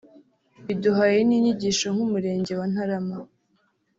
Biduhaye n’inyigisho nk’ Umurenge wa Ntarama